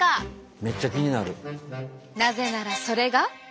なぜならそれが。